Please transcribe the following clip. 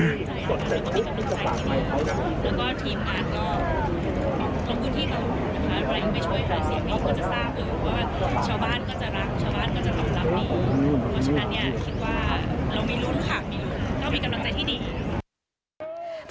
เพราะทุกเบอร์เราก็ทำงานเต็มที่เหมือนกันบุ๊ด